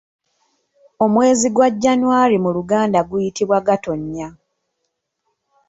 Omwezi gwa January mu luganda guyitibwa Gatonya.